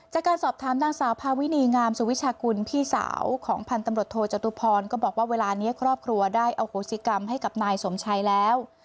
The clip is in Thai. จากการสอบถามนางสาวพาวินีงามสุวิชากุลพี่สาวของพันธุ์ตำรวจโทจตุพรก็บอกว่าเวลานี้ครอบครัวได้อโหสิกรรมให้กับนายสมชัยแล้ว